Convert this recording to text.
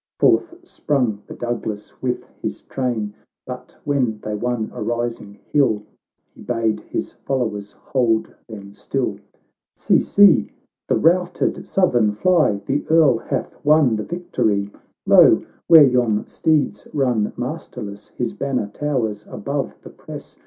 "— Forth sprung the Douglas with his train ; But, when they won a rising hill, He bade his followers hold them still. —" See, see ! the routed Southern fly ! The Earl hath won the victory. Lo ! where yon steeds run masterless, His banner towers above the press.